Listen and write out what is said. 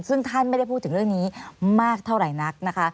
ซึ่งท่านไม่ได้พูดถึงเรื่องนี้มากเท่าไหร่นักนะคะ